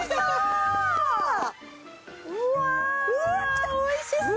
うわおいしそう！